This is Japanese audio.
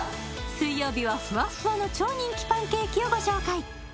水曜日はふわっふわの超人気パンケーキをご紹介